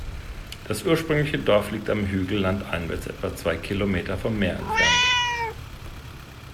Das ursprüngliche Dorf liegt am Hügel landeinwärts etwa zwei Kilometer vom Meer entfernt.